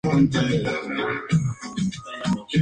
Organiza el Premio de la Crítica de Castilla y León.